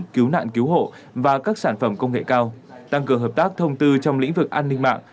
cứu nạn cứu hộ và các sản phẩm công nghệ cao tăng cường hợp tác thông tư trong lĩnh vực an ninh mạng